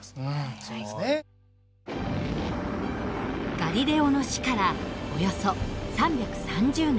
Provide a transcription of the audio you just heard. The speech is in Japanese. ガリレオの死からおよそ３３０年。